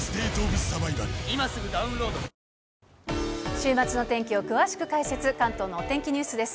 週末の天気を詳しく解説、関東のお天気ニュースです。